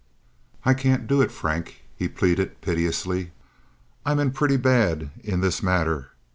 "I can't do it, Frank," he pleaded, piteously. "I'm in pretty bad in this matter.